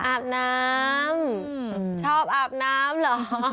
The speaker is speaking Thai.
อาบน้ำชอบอาบน้ำเหรอ